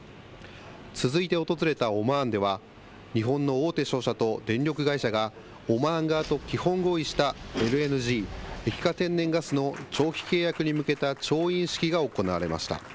続いて訪れたオマーンでは、日本の大手商社と電力会社がオマーン側と基本合意したＬＮＧ・液化天然ガスの長期契約に向けた調印式が行われました。